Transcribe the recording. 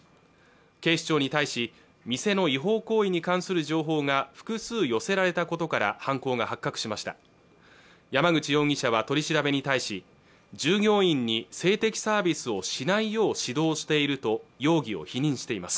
警視庁に対し店の違法行為に関する情報が複数寄せられたことから犯行が発覚しました山口容疑者は取り調べに対し従業員に性的サービスをしないよう指導していると容疑を否認しています